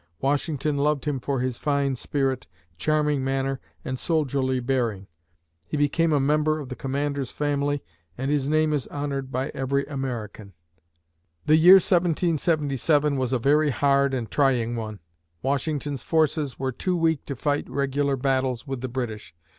Washington loved him for his fine spirit, charming manner and soldierly bearing. He became a member of the Commander's family and his name is honored by every American. The year 1777 was a very hard and trying one. Washington's forces were too weak to fight regular battles with the British.